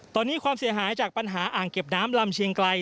ตอนนี้ความเสียหายจากปัญหาอ่างเก็บน้ำลำเชียงไกล